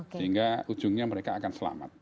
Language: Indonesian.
sehingga ujungnya mereka akan selamat